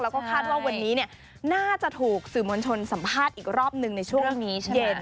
แล้วก็คาดว่าวันนี้น่าจะถูกสื่อมวลชนสัมภาษณ์อีกรอบหนึ่งในช่วงนี้ใช่ไหม